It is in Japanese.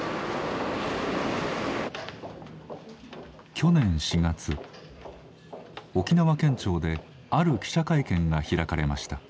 去年４月沖縄県庁である記者会見が開かれました。